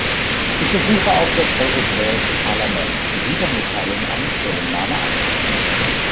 Ich ersuche auch das Europäische Parlament, zu dieser Mitteilung eine Stellungnahme abzugeben.